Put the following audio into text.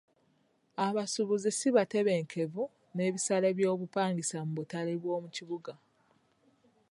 Abasubuzi si batebenkevu n'ebisale by'obupangisa mu butale bw'omu kibuga.